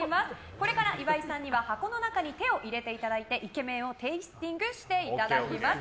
これから岩井さんには箱の中に手を入れていただいてイケメンをテイスティングしていただきます。